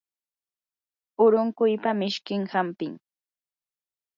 urunquypa mishkin hampim.